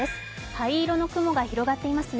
灰色の雲が広がっていますね。